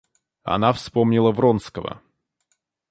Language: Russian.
Она вспомнила Вронского.